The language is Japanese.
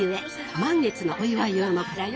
満月のお祝い用のカステラよ。